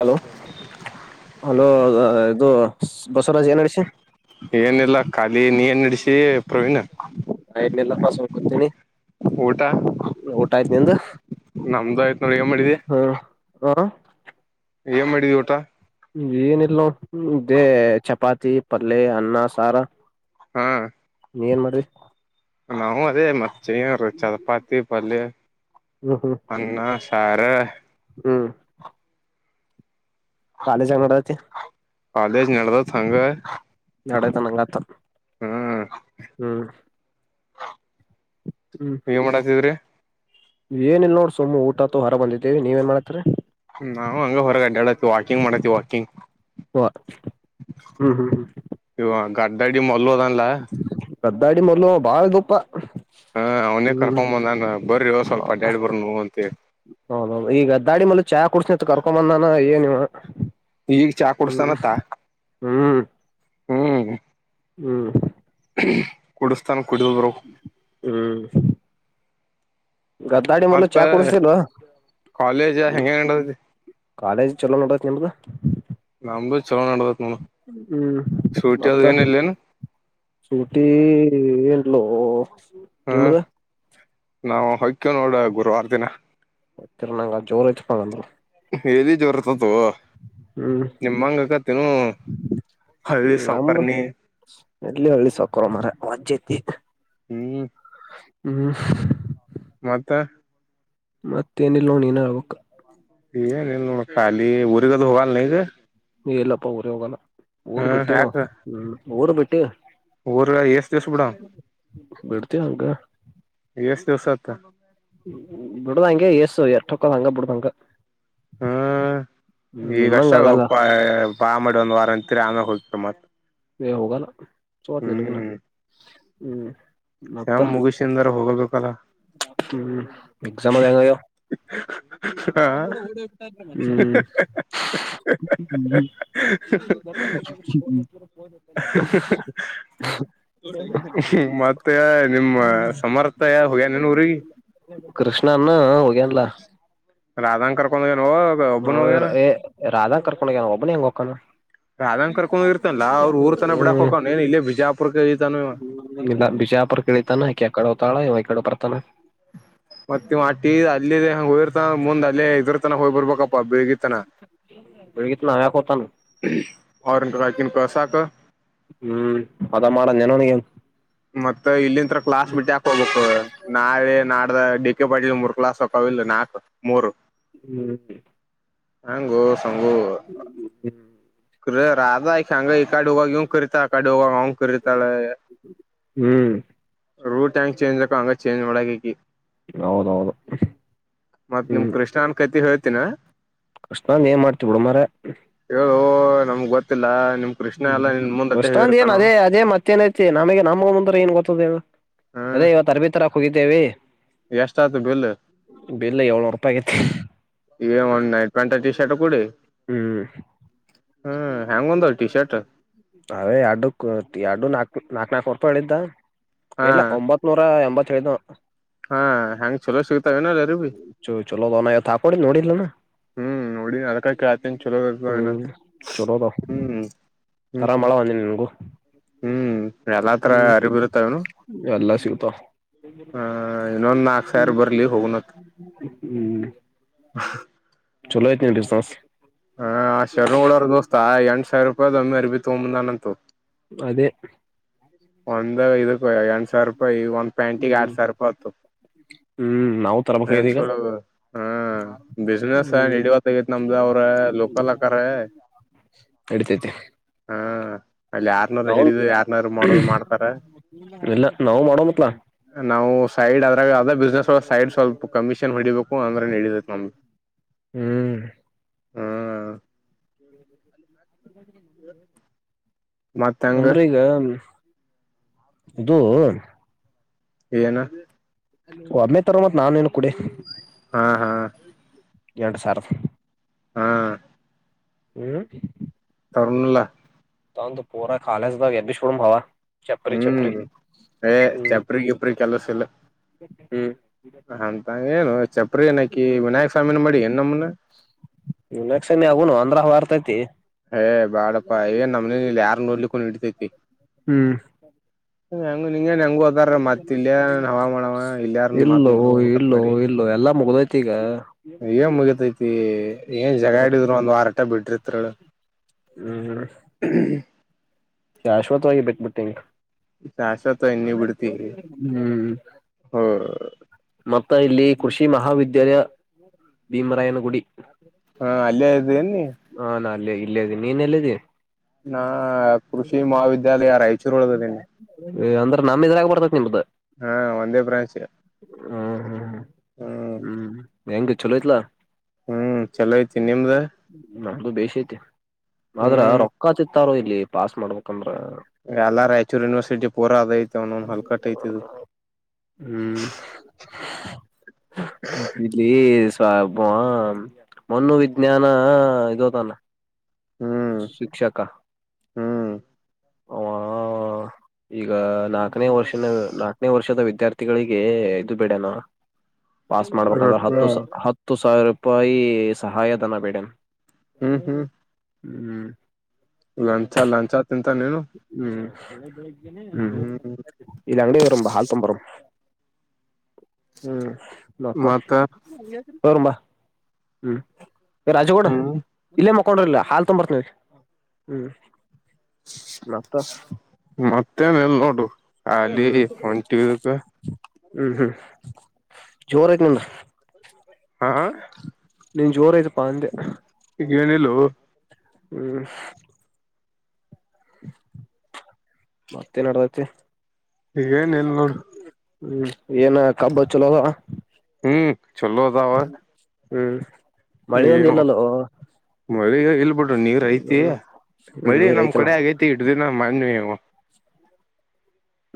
Hello hello ಇದು ಬಸವರಾಜ್ ಏನ್ಡಿಸಿ ಏನಿಲ್ಲ ಖಾಲಿ ನೀ ಏನ್ ನಡಸಿ ಪ್ರವೀಣ್ ಏನಿಲ್ಲ ಪಾ ಸುಮ್ ಕೊತೀನಿ ಊಟ ಊಟ ಆಯ್ತ. ಎಂತ. ನಮ್ದು ಆಯ್ತು ನೋಡಿ ಈಗ ಮಾಡಿದ್ದಿ. ಹಾ. ಏನ್ ಮಾಡಿದಿ ಊಟ. ಏನಿಲ್ ನೊಡ್ ಇದೆ ಚಪಾತಿ ಪಲ್ಯ ಅನ್ನ ಸಾರಾ ಹಾ ನೀ ಏನ್ ಮಾಡ್ರರಿ ನಾವು ಅದೇ ಮಚೆ ಚಪಾತಿ ಪಲ್ ಹ್ಮ್ ಹ್ಮ್ ಅನ್ನ ಸಾರ ಕಾಲೇಜ್ ಹಂಗ ನಡ್ಡತಿ ಅದೇ ನಡೆದತ್ತಿ ಅಂಗ ನಡತ ನಂಗತ ಹ್ಮ್ ಹ್ಮ್ ಏನ್ ಮಾಡಾತಿದ್ರಿ ಏನಿಲ್ ನೋಡ್ ಸುಮ್ ಊಟ ಅತ ಹೊರ ಬಿದ್ದೇವಿ ನೀವ ಏನ್ ಮಾಡತರಿ ನಾವು ಹಂಗ ಹೊರಗಡ್ಡಡವಿ ವಾಕಿಂಗ್ ಮಾಡತ್ತತಿ ವಾಕಿಂಗ್ ಹ ಹ್ಮ್ ಹ್ಮ್ ಹ್ಮ ಕಡ್ಡಡಿ ಮಲ್ಲ ಅದ ಲ್ಲ ಕದ್ದಾಡಿ ಮಲು ಬಾಳ ಗುಪ್ಪ ಹಾ ಅವನೇ ಕರ್ಕೊ ಬಂದನ್ ಬರ್ರ ಸ್ವಲ್ಪ ಅಡ್ಯಾಡಿ ಬರ್ ನ ಅಂತ ಈಗ ಅದ್ದಾಡಿ ಮೇಲೆ ಚಾ ಕುಡಡ್ಸನಿಂತ ಕರ್ಕೊಂಬಂದಾನ ಏನಿವ ಈಗ ಚಾ ಕುಡಸ್ತಾನತ್ತ ಹ್ಮ್ ಹ್ಮ್ ಹ್ಮ್ ಕೊಡ ತಾನ ಕುಡಿದ ಬರ ಹ್ಮ್ ಗದ್ದಾಡಿ ಮಲ ಚಾ ಕುಡಸ್ತಿಲೋ ಕಾಲೇಜ್ ಹೆಂಗ ನಡದೈತಿ ಕಾಲೇಜ್ ಚಲೋ ನೋಡತ್ ನಿಮ್ದ ನಮ್ದು ಚಲೋ ನಡದತ್ ನೋಡ ಹ್ಮ್ ಸೂಟಿ ಅದು ಮತ್ತ ಏನಿಲ್ಲೇನು ಶೂಟಿ ಏ ಹಲೋ ನಿಮ್ಮದು ನಾವು ಹಕ್ಯ ನೋಡ ಗುರುವಾರ ದಿನ ಹರ್ ನಂಗ ಜೋರ್ ಐತ್ ಪಲ್ರು [unintelligible] ಹ್ಮ್ ನಿಮ್ಮಂಗಕತಿನು ಹ ಸಾವಕ ನಮ್ದ ನೀ ಎಲ್ಲಿ ಹಳ್ಳಿ ಸಾಕೋರ ಮರ ವಜ್ಜೈತಿ ಹ್ಮ್ ಹ್ಮ್ ಮತ್ತ. ಮತ್ತ್ ಏನಿಲ್ಲ ನೋಡ್ ನಿನ ಹೇಳ್ಬೇಕು. ಲ್ಲದು. ಹೇ ಇಲ್ಲಪ್ಪ ಊರಿಗ್ ಹೋಗಲ್ಲ. ಉರ್ ಬಿಟ್ಟೇವೋ ಹ್ಮ್ ಉರ್ ಬಿಟ್ಟೇವೋ. ಟ್ಟ ಊರಾಗ್ ಎಸ್ ದಿಸಾ ಬಿಡವಾ ಬಿಡ್ತಿವಿ ಹಂಗ ಎಸ್. ದಿವಸತ್ತ. ಬಿಡ್ದಂಗೆ ಏಸ್ ಎಷ್ಟ್ ಹೋಕವ್ ಬಿಡ್ದಂಗ. ಹ್ಮ್ ಈಗ್ ಅಷ್ಟ ಆಗಲ್ಲ ಹೇಳೋಪ್ಪಾ ಬಾ ಮಾಡಿ ಒಂದ್ ವಾರ [unintelligible] ಹೋಕಿವ್ ಮತ್ತ. ಹೇ ಹೋಗ ನಾ. ಚೋಳತ್ ನಾಗ ಇರು ಹ್ಮ್ ಮತ್ತ. ವಾಗ. ಹ್ಮ್ ಎಕ್ಸಾಮ್ ಎಲ್ಲ ಹೆಂಗ್ ಆಗ್ಯಾವ್ [unintelligible] ಹ್ಮ್ ಹ್ಮ್ ಹ್ಮ್ ಮತ್ತೆ ನಿಮ್ಮ ಸಮರ್ಥಯ ಹೊ ನಿನ್ ಊರಿಗಿ. ಕೃಷ್ಣಾನ ಹೋಗೇನ್ಲ. ರಾಧಾನ್ ಕರಕೊಂಡ್ ಹೋಗ್ಯಾನ್. ಹೋಗ್ಯಾರ್ ಹೇ ರಧಾನ್ ಕರ್ಕೊಂಡ್. ಹೋಗ್ಯಾನ್ ಒಬ್ನೇ ಎಂಗ್ ಹೋಕನು. ರಾಧಾನ್ ಕರ್ಕೊಂಡ್ ಹೋಗಿರ್ತಾನಲ್ಲಾ ಅವ್ರ ಊರ್ ತನ ಹ್ಮ ಬಿಡಾಕ್ ಹೋಗಕನ್ ಏನ್ ಇಲ್ಲೇ ಬಿಜಾಪುರ್ಕ ಇಳಿತಾನ ಇವ. ಇಲ್ಲ ಬಿಜಾಪುರ್ ಇಳಿತನ್ ಹಾಕಡೆ ಹೊಕ್ ತಾಳಾಯ ಇವಾ ಈಕಡೆ ಬರ್ತನ. ಮತ್ತ್ ಆಟಿ ಅಲ್ಲಿಗೇನ್ ಹೋಗಿರ್ [unintelligible] ಮುಂದ ಅಲ್ಲೆ ಇದ್ರ ತನ ಹೋಗ್ ಬರ್ಬೇಕಪ್ಪ ಬಿಳಗಿ. [unintelligible] ಕತಾನು ಅವ್ರ್ ಅಕಿನ್ ಕಲ್ಸಕ. ಹ್ಮ್ ಅದ ಮಾಡ್ ಅಂಲೆನ್ ಅವ್ನಿಗೇನ್. ಮತ್ತ ಇಲ್ಲಿ. ಕ್ಲಾಸ್ ಬಿಟ್ ಯಾಕ್ ಹೋಗ್ಬೇಕು ನಾಳೆ. ನಾಡ್ದ ಡಿ ಕೆ ಪಾಟಿಲ್ ಮೂರ್ ಕ್ಲಾಸ್ ಹೊಕಾವಿಲ್ಲ ನಾಕ್ ಮೂರು. ಹ್ಮ್ ಹಂಗು ಸಂಗು ಹ್ಮ್ ರಾಧಾ ಅಂಗ ಈ ಕಡೆ ಹೋಗಿ ಕರಿತಾಳ ಆ ಕಡೆ ಅವನು ಕರಿತಾಳ ಹ್ಮ್ ರೂಟ್ ಟಂಕ್ ಚೇಂಜ್ ಅಕವ ಹಂಗ ಚೇಂಜ್ ಮಾಡಕಿ ಇಕಿ ಹೌದೌದು ಮತ್ತ ನಿಮ್ ಹ್ಮ್ ಕೃಷ್ಣನ್ ಕತಿ ಹೋಯ್ತ ಏನ ಕೃಷ್ಣಂದ ಏನ್ ಮಾಡ್ತೀವಿ ಬಿಡ ಮರ ಓ ನಮ್ಗ್ ಗೊತ್ತಿಲ್ಲ ನಿಮ್ ಕೃಷ್ಣ ಹ್ಮ್ ಎಲ್ಲಾ ನಿನ್ ಮುಂದ್ ಅಟ್ಟೆ ಕಷ್ಟಂದ ಏನ್ ಹೇಳಿರ್ತಾನವ ಅದೇ ಅದೇ ಮತ್ತೇನೈತಿ ನಮಗೆ ನಮಗ ಮುಂದ ಏನು ಕೊತ್ತುದ ಹ್ಮ್. ಅದೇ ಇವ ಅರಬ್ ತಾರಕ ಹೋಗ [unintelligible] ಎಷ್ಟ ಆತು ಬಿಲ್ ಏಳ್ನೂರು ರೂಪಾಯಿ ಆಗೈತಿ ಒಂದ್ ನೈಟ್ ಪೆಂಟ್ ಟಿ ಶರ್ಟ್ ಕೂಡಿ ಹ್ಮ್ ಹ್ಮ್ ಹೆ್ಯಾಂಗ ಒಂದ ಟಿ ಶರ್ಟ್ ಅ ಎಡು ಎಡು ನಾಕು ನಾಕ್ ನನಾಲ್ಕು ರೂಪಿ ಇಳಿತಾ ಹಾ ಇಲ್ಲ ಒಂಬತ್ ನೂರ ಎಂಬತ್ [unintelligible] ಹಾ ಹೆಯಾಂಗ ಚಲೋ ಸಿಗ್ತವೆ ಏನಾರ ಬಿ ನೋಡಿ ನೋಡಿಲಾನ ಹ್ಮ್ ನೋಡಿನಿ ಅದಕ್ಕ ಕೆಳತ್ತಿನ ಚಲೋ ಇರ್ತವೇನ ಹ್ಮ್ ಅಂತ [unintelligible] ಹ ಹ್ಮ್ ಎಲ್ಲಾ ತರ ಅರಿಬರುತ್ತ ಅವನು ಎಲ್ಲಾ ಆ ಇನ್ನೊಂದು ಹ್ಮ್ ಹ್ಮ್ ಚಲೋಯಐತನಡಿ ಸಾಸ್ ಹ ಆ ಶರಣಗಳವರು ದೋಸ್ತ ಎಂಟ್ ಸಾವಿರ ರೂಪಾಯ್ ಒಮ್ಮಿ ಅರ್ಬಿ ತಗೋ ಬಂದ ನಂತ ಅದೇ ಒಂದಾಗ ಇದ ಸಾವರ ರೂಪಾಯಿ ಒಂದ್ ಪ್ಯಾಂಟಿಗೆ ಹ್ಮ್ ಎರಡು ಸಾವಿ ರಪಾಯಿ ಆತ್ತು ಹ್ಮ್ ನಾವು ತರಬೇಕಾಗ್ಯದ ಟ್ರೆಂಡ್ಸ್ ಈಗ ಒಳಗ ಹಾ ಬಿಸ್ನೆೆಸ್ ಹ್ಮ್ ನಡಿವತ್ತ ಆಗತ್ ನಮ್ದ ಅವ್ರ ಲೋಕಲ್ ಆಕಾರ ನಡಿತೈತಿ ಹಾ ಅಲ್ಲಿ ಯಾರ್ನ್ರು ಹಿಡಿದು ಯಾರ್ನಾರ್ರು ಮಾಡ ಎಲ್ಲ ನಾವು ಮಾಡೋ ಮತ್ಲ ನಾವು ಸೈಡ್ ಆದ್ರಾಗ ಯಾವದ ಬಿಸ್ನೆಸ್ ಸೈಡ್ ಸ್ವಲ್ಪ ಕಮಿಷನ್ ಹೊಡಿಬೇಕು ಪ್ಪು ಅಂದ್ರೆ ನಡೈ ನಮ್ಗೆ ಹ್ಮ್ [inaudible] ಮತ್ ಹೆಂಗ ಅಂದ್ರೆ ಈಗ ಇದೂ ಏನು ಒಮ್ಮೆ ತರ ಮತ್ ನಾನೇನು ಕುಡಿ ಹಾ ಹಾ ಎರಡು ಸಾರ ಹ್ಮ್ ಹ್ಮ್ ತರಣುಲ ತಂದುು ಪೋರ ಕಾಲ್ದ ಎಬಿ ಶೋಡಮ ಹಾವ ಹ್ಮ್ ಏ ಚಪ್ರಿ ಇಪ್ರಿ ಕೆಲಸ ಇಲ್ಲ ಹ್ಮ್ ಅಂತ ಏನು ಚಪ್ಪರಿ ಏನಕಿ ವಿನಾಯಕ ಸ್ವಾಮಿನ ಮಾಡಿ ನಮ್ಮನ ವರ್ತತಿ ಏ ಬಾಡಪ್ಪಾ ಎನ್ ನಮ್ಮನೇಲಿ ಇಲ್ಲಿ ಯಾರು ನೋಡ್ಲಿಕ್ಕೊಂಡ ಹಡ್ತೈತಿ ಹ್ಮ್ ಹ ಅಂಗು ಹಂಗನ್ ಹೆಂಗ ಹದಾರ ಮತ್ ಇಲ್ಲಯ ಹವ ಮಾಡವ ಇಲ್ಲಯಾರ ಮಾತ್ ಇಲ್ಲೋ ನೋಡಕತ್ ಇಲ್ಲೋ ಮಾಡಿ ಇಲ್ಲೋ ಎಲ್ಲಾ ಮುಗ್ದೈತಿ ಈಗ ಮುಗತತಿ ಹ್ಮ ಏನ್ ಕರೆ ಜಾಗಾಡಿದ್ರ ಒಂದ್ ವಾರಟ ಬಿಟ್ರಿ ತ್ರಳ ಹ್ಮ್ ಶಾಶ್ವತವಾಗಿ ಬಿಟ್ಬಿಟ್ಟಿ ಶಾಸತ್ ಎಣ್ಣಿ ಬಿಡ್ತಿ ಹ್ಮ್ ಹ ಮತ್ತ ಇಲ್ಲಿ ಕೃಷಿ ಮಹಾವಿದ್ಯಾಲಯ ಭೀಮರಾಯನ ಗುಡಿ ಹಾ ಅಲ್ಲೇ ಇದೇನ್ ನೀ [unintelligible] ಇಲ್ಲಿ ಇದೀನಿ ನೀನ್ ಎಲ್ಲದ ನಾ ಕೃಷಿ ಮಹಾವಿದ್ಯಾಲಯ ರಾಯಚೂರು ಒಳಗಿದೀನಿ ಅ್ರ ನಮ್ಮ ಇದ್ರಾಗ ಬತಕ್ ನಿಮ್ದು ಹಾ ಒಂದೇ ಬ್ರಾಂಚ್ ರಿ ಹ್ಮ್ ಹ್ಮ್ ಹ್ಮ್ ಹೆಂಗ ಚಲೋತ್ಲ ಹ್ಮ್ ಚಲೋ ಐತಿ ನಿಮ್ದ ನಮ್ದು ಬಸತಿ ಆದ್ರ ಹ್ಮ್ ರೊಕ್ಕ ಚಿ ಇಲ್ಲಿ ಪಾಸ್ ಮಾಡ್ಬೇಕಂದ್ರ ಎಲ್ಲ ರಾಯಚೂರು ಯೂನಿವರ್ಸಿಟಿ ಪೂರಾ ಅದಐತ ಅವನ ಹಲ್ಕಟ್ಟ ಐತಿ ಅದು ಹ ಮತ್ ಇಲ್ಲಿ ಸಾಬ ಮ್ಣ ವಿಜ್ಞಾನ ಹಾ ಇದು ತಾನ ಹ್ಮ್ ಶಿಕ್ಷಕ ಹ್ಮ್ ಆ ಈಗ ನಾಲ್ಕನೇ ವರ್ಷ ನಾಲ್ಕನೇ ವರ್ಷದ ವಿದ್ಯಾರ್ಥಿಗಳಿಗೆ ಎ್ದದು ಬಿೇಡಾನ ಪಾಸ್ ಮಾಡ್ಬೇಕಂದ್ರೆ ರೊಕ್ಕ ಹತ್ತು ಹತ್ತು ಸಾವಿರ ರಪಾಯಿ ಸಹಾಯಧನ ಬೇಡ ಹ್ಮ್ ಲಂಚ ಲಂಚ ತಿಂತಾನೇನು ಹ್ಮ್ಮ ಹ್ಮ್ ಇಲ್ಲಿ ಅಂಗಡಿ ಒಗ್ಬಾರನ ಬ ಹಾಲ್ ತೊಂಬರ ಹ್ಮ್ ನತ್ತ ಮತ್ತ ತೋರ್ಂಬಾ ಹ್ಮ್ ರಾಜಗೌಡ ಹ್ಮ್ ಇಲ್ಲ ಮ ತಕೊಂಡ್ರಿಲ್ಲ ಹಾಲ್ ತುಂಬರ್ತನ ಹ್ಮ್ ಮತ್ತ ತನೆ ನೋಡು ಹಲ್ಲಿ ಹ್ಮ್ ಹೊಂಟಿವೆ ಹ್ಮ್ ಹ್ಮ್ ಜೋರ್ ಐತೆ ನಿಮ್ದು. ಹಾ ಹಾ ನೀನ್ ಜೋರ್ ಐತೆಪ್ಪ ಅಂದೆ. ಈಗೇನಿಲ್ಲೋ ಹ್ಮ್ ಮತ್ತೇನ್ ಅಡದೈತಿ. ಈಗ್ ಏನ್ ಇಲ್ ನೋಡ್. ಹ್ಮ್ ಏನ ಕಬ್ಬ್ ಚೊಲೋ ಅದ. ಹ್ಮ್ ಚೊಲೋ ಅದಾವ. ಹ್ಮ್ ಮಳಿ ಒಂದ ಏನೋ ಇಲ್ಲಲ್ಲೋ ಮಳಿ ಇಲ್ಬಿಡ್ರಿ ನೀರ್ ಐತಿ ಹ್ಮ್ ಹ್ಮ್ ಮಳಿ ನೀರ್ ನಮ್ ಐತನ ಕಡೆ ಆಗೈತಿ ಇಟ್ ದಿನ ಮನ್ನೆ.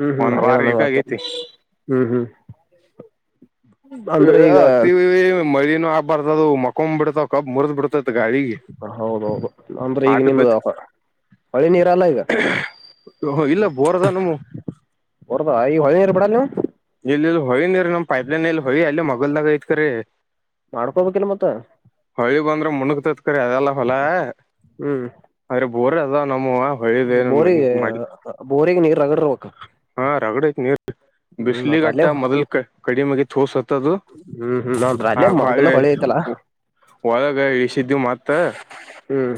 ಹ್ಮ್ ಹ್ಮ್ ಒಂದ್ ಆಗೈದ ವಾರ ಏಕ ಅಂದಂಗಾಯ್ತು ಆಗೈತಿ ಹ್ಮ್ ಹ್ಮ್. [inaudible] ಏ ಅಂದ್ರೆ ಈಗ ಅತೀ ಮಳಿನು ಅತ್ ಬರ್ದದು ಮಕೊನ್ಬಿಡತಾವ ಕಬ್ ಮುರದ್ ಬಿಡುತ್ ಹೌದೌದು ಅಂದ್ರೆ ಈಗ್ ಆಟ ನಿಮ್ಗ ಬಿತ್ ಹೊಳಿ ನೀರ್ ಅಲ್ಲ ಈಗ. ಹೊ ಹೊ ಇಲ್ಲ. ಬೋರ್ದ ನಮ್ ಬೋರ್ ಅದಾವ ಈ ಹೋಳಿ ನೀರ್ ಬೀಡಲ್ ನೀವು. ಇಲ್ ಇಲ್ ಹೊಳಿನಿರ ನಮ್ ಪೈಪ್ಲೈನ್ ಇಲ್ಲ ಹೋಳಿ ಅಲ್ಲಿ ಮಗಲ್ದಾಗ ಐತ್ಕರೆ. ಮಾಡ್ಕೋಬೇಕಿಲ್ಲ ಮತ್ತ ಹೊಳಿ ಬಂದ್ರೆ ಮುನುಗ್ತೈತಿ ಕರೆ ಅದೆಲ್ಲ ಹೊಲ ಹ್ಮ್ ಆದ್ರೆ. ಬೋರ್ ಅದವ್ ನಮ್ ಬೋರಿಗೆ ಬೋರಿಗ್ ನೀ ರಗಡ್ ಇರಬೇಕ್. ಹಾ ರಗಡತ್ ನೀರು ಮತ್ತ ಬಿಸ್ಲಿಗಟ್ಟ ಅಲ್ಲೇ ಮೊದ್ಲ್ ಕ ಕಡಿಮೆ ಆಗಿತ್ತು ಹೊಸತದು ಹ್ಮ್ ಹ್ಮ್ ನೋಡ್ರ ಅಲ್ಲೇ ಆಗ ಮೊದಲ ಹೊಳ್ಳಿ ಹೊಳಿ ಐತಲ್ಲಾ ಒಳಗ ಇಳಿಸಿದ್ವಿ ಮತ್ತ ಹ್ಮ್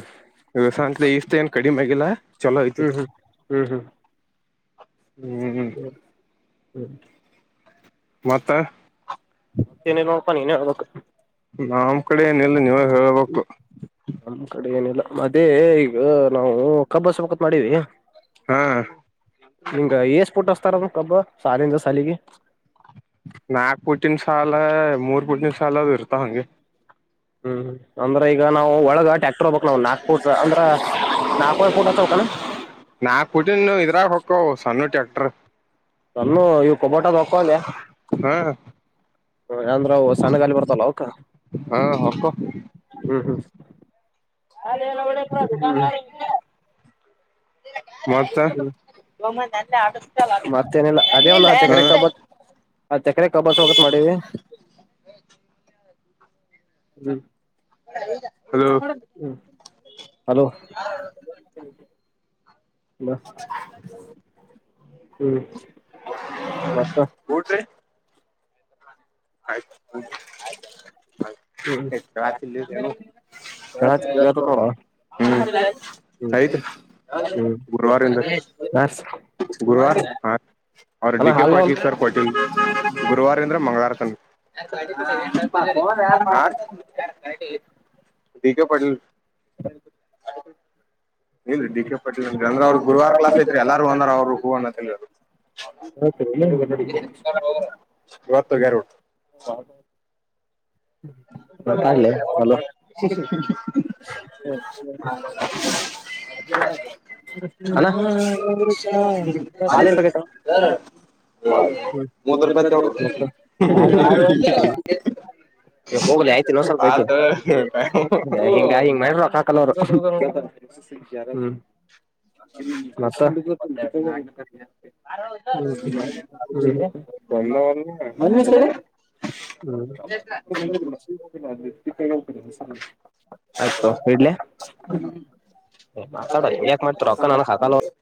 ಇಲ್ ಸಂತೆಲೆ ಇಷ್ ಏನ್ ಕಡಿಮೆ ಆಗಿಲ್ಲ. ಚಲೋ ಐತಿ ಹ್ಮ್ ಹ್ಮ್ ಹ್ಮ್ ಹ್ಮ್ ಹ್ಮ್ ಹ್ಮ್ ಮತ್ತ ಮತ್ತ್ ಏನಿಲ್ಲ ನೋಡಪ್ಪ ನೀನೆ ಹೇಳಬೇಕ್. ನಮ್ ಕಡೆ ಏನ ಇಲ್ಲ ನೀವು ಹೇಳ್ಬೇಕು. ಹ್ಮ್ ಅದೇ ಈಗ ನಾವು ಕಬ್ಬ್ ಹಚ್ಬೇಕ್ ಅಂತ ಮಾಡೀವಿ. ಹಾ ಈಂಗ ಎಸ್ ಸ್ಫೋಟ್. ರ ಕಬ್ ಸಾಲಿಂದ ಸಾಲಿಗಿ ನಾಕ್ ಪುಟಿನ ಸಾಲ ಮೂರ ಪುಟಿನ್ ಸಾಲ ಅದು ಇರ್ತವ ಹಂಗೆ. ಹ್ಮ್ ಅಂದ್ರ ಈಗ ನಾವು ಒಳಗ ಟ್ಯಾ [unintelligible] ನಾಲ್ಕವರೆ ಫೂಟ್ ಹಚ್ಬೇಕನ ನಾಕ್ ಪುಟಿನು ಇದರಗ ಹೊಕ್ಕವ್ ಸಣ್ಣ ಟ್ಯಾಕ್ ಟ್ರ ಸಣ್ಣವು ಇವು ಕೊಬೋಟವ ಹೊಕ್ಕವ ಅಂದೆ ಹಾ ಹ ಅಂದ್ರ ಅವು ಸಣ್ಣಗಾಲಿ ಬರ್ತಾವಲ್ಲ ಅವಕ್ಕ [unintelligible] ಹಾ ಹೊಕ್ಕವ್ ಹ್ಮ್ ಹ್ಮ್ [unintelligible] ಮತ್ತ ಹ್ಮ [unintelligible] ಹಾ ಮತ್ತೇನಿಲ್ಲ ಅದೇ ಒಂದು ಹತ್ತ ಎಕರೆ ಕಬ್ಬ [unintelligible] ಹತ್ತ ಎಕರೆ ಕಬ್ಬ ಹಚ್ಬೇಕ್ ಅಂತ ಮಾಡೆವಿ ಹ್ಮ್ ಹಲೋ [unintelligible] ಹ್ಮ್ [unintelligible] ಹಲೋ [unintelligible] ಹ್ಮ್ [unintelligible] ಮತ್ತ ಆಯ್ತ್ [unintelligible] ಹ್ಮ್ ಹ್ಮ್ ಕೇಳಾತೇತಿ ಕೇಳ್ತೇತ್ ನೋಡ ಹ್ಮ್ [unintelligible] ಐತಿ ಹ್ಮ್ [unintelligible] ಗುರುವಾರಯಿಂದ [unintelligible] ಗುರುವಾರ ಹ ಅವ್ರ ಅಣ್ಣ ಡಿ ಕೆ ಹಾಲ್ ಪಾಟೀಲ್ ಸರ್ ಪೂಟೀಲ್ ಗುರುವಾರ ದಿಂದ್ರ ಮಂಗ್ಲಾರ [unintelligible] ಹ ಡಿ ಕೆ ಪಾಟೀಲ್ [unintelligible] ಇಲ್ ಡಿ ಕೆ ಪಟೀಲ್ ಎಲ್ ರ ಗುರ್ವಾರ ಕ್ಲಾಸ್ ಐತ್ರಿ ಎಲ್ಲರೂ ಒನ ರವ್ ಉ ಊ ಅನತಲ್ ಏಳ [unintelligible] ಇವತ್ ಹೋಗ್ಯಾರ್ ಅವ್ರು ಆಗ್ಲಿ ಹಲೋ [unintelligible] [unintelligible] [unintelligible] ಅಣ [unintelligible] ಹಾಲೆಟ್ ಪಾಕಿಟವ [unintelligible] ಮೂವತೃಪೈ ತವ್ ಹೇಳ್ [unintelligible] ಹೇ ಹೋಗ್ಲೆ ಆಯ್ತಿ ಇನೋ ಸ್ವಲ್ಪ ಐತೆ [unintelligible] ಯಾ ಕಿಂಗ ಹಿಂಗ್ ಮಾಡ್ರೋ ಸಾಕಲೋವ್ರು [unintelligible] ಯಾರ ಹ್ಮ್. [unintelligible] ನಿಲ್ಲದಿಲ್ಲ ಸಿಗೋದಿಲ್ಲಾ ಅದು. [unintelligible] ಆಯ್ತ ಇಡ್ಲೆ ಹ್ಮ್ ಮಾತಾಡೂ ಇಂಗ್ಯಾಕ್ ಮಾಡ್ತ ರೊಕ್ಕ ನನ್ ಹತಲೋ.